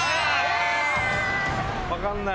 分かんない。